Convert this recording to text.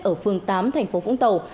ở phường tám thành phố vũng tàu